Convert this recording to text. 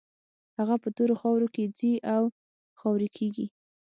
هغه په تورو خاورو کې ځي او خاورې کېږي.